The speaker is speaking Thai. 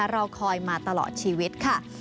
รอคอยมาตลอดชีวิตค่ะ